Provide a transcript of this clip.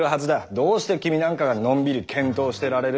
どうして君なんかがのんびり検討してられる？